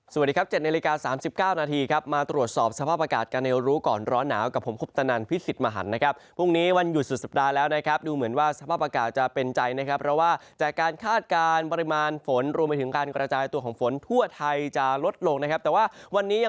สวัสดีครับ๗นาฬิกา๓๙นาทีครับมาตรวจสอบสภาพอากาศกันในรู้ก่อนร้อนหนาวกับผมคุปตนันพิสิทธิ์มหันนะครับพรุ่งนี้วันหยุดสุดสัปดาห์แล้วนะครับดูเหมือนว่าสภาพอากาศจะเป็นใจนะครับเพราะว่าจากการคาดการณ์ปริมาณฝนรวมไปถึงการกระจายตัวของฝนทั่วไทยจะลดลงนะครับแต่ว่าวันนี้ยัง